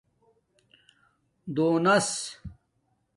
دونِس